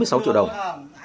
bây giờ chú đoàn văn chung nha